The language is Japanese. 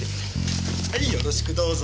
はいよろしくどうぞ！